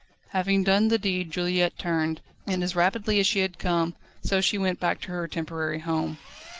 Having done the deed Juliette turned, and as rapidly as she had come, so she went back to her temporary home.